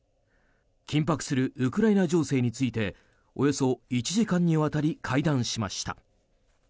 緊迫するウクライナ情勢についておよそ１時間にわたり会談しました。